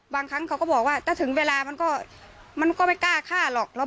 บางครั้งเขาก็บอกว่าถ้าถึงเวลามันก็มันก็ไม่กล้าฆ่าหรอก